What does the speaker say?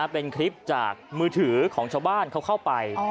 เป็นคลิปจากมือถือของชาวบ้านเขาเข้าไป